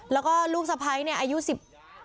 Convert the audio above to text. แล้วก็ลูกสะพ้ายเนี่ยอายุสิบ